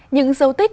những dấu tích